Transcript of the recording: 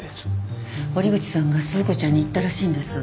堀口さんが鈴子ちゃんに言ったらしいんです。